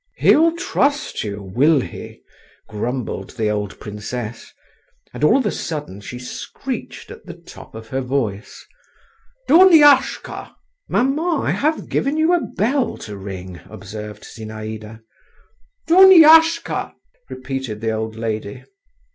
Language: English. "He'll trust you, will he?" … grumbled the old princess, and all of a sudden she screeched at the top of her voice, "Duniashka!" "Maman, I have given you a bell to ring," observed Zinaïda. "Duniashka!" repeated the old lady.